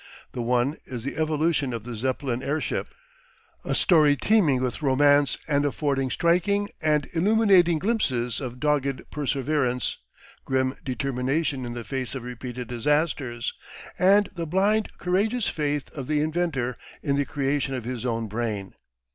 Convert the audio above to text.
The one is the evolution of the Zeppelin airship a story teeming with romance and affording striking and illuminating glimpses of dogged perseverance, grim determination in the face of repeated disasters, and the blind courageous faith of the inventor in the creation of his own brain.